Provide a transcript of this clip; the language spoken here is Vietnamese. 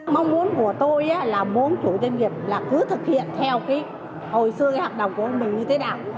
mong muốn của tôi là muốn chủ doanh nghiệp cứ thực hiện theo hồi xưa hợp đồng của ông bình như thế nào